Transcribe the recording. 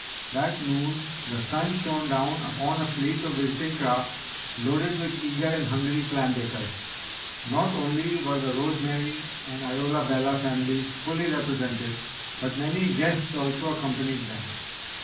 That noon, the sun shone down upon a fleet of visiting craft loaded with eager and hungry clam bakers. Not only were the Rosemary and Isola Bella families fully represented but many guests also accompanied them.